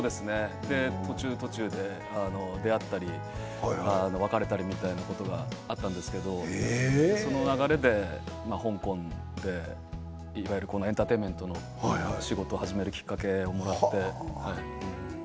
途中、途中で出会ったり、別れたりみたいなことがあったんですがその流れで香港でいわゆるエンターテインメントの仕事を始めるきっかけをもらって。